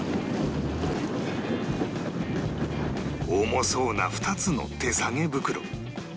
重そうな２つの手提げ袋